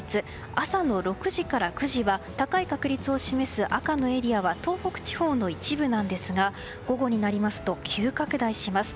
朝の６時から９時は高い確率を示す赤のエリアは東北地方の一部なんですが午後になりますと急拡大します。